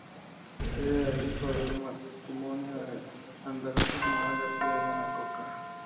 Era el hijo de un matrimonio de andaluces Manuel García y Ana Coca.